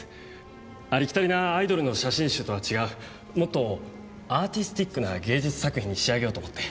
ありきたりなアイドルの写真集とは違うもっとアーティスティックな芸術作品に仕上げようと思って。